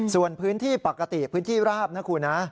ส่วนพื้นที่ปกติพื้นที่ราบนะคุณนะ